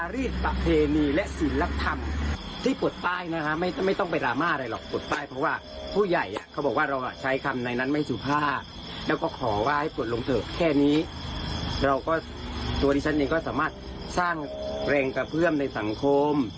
เราก็ตัวดิฉันเองก็สามารถสร้างแรงกระเพื่อในสังคม